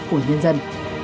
của nhân dân